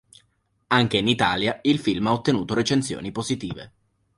Anche in Italia il film ha ottenuto recensioni positive.